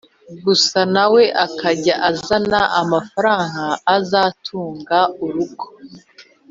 gusa na we akajya azana amafaranga azatunga urugo.”